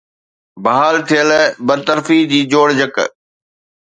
بحال ٿيل برطرفي جي جوڙجڪ